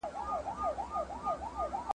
چي اسمان ورته نجات نه دی لیکلی !.